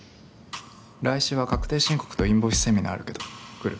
来週は確定申告とインボイスセミナーあるけど来る？